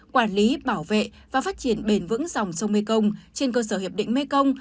quản lý bảo vệ và phát triển bền vững dòng sông mê công trên cơ sở hiệp định mê công